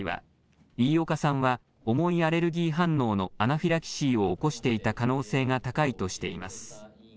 専門家による調査委員会は飯岡さんは重いアレルギー反応のアナフィラキシーを起こしていた可能性が高いとしています。